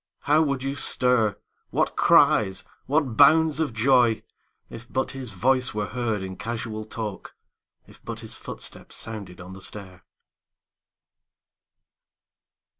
How would you stir, what cries, what bounds of joy. If but his voice were heard in casual talk. If but his footstep sounded on the stair!